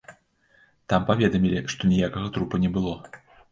Там паведамілі, што ніякага трупа не было.